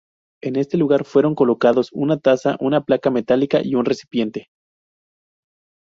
En este lugar fueron colocados una taza, una placa metálica y un recipiente.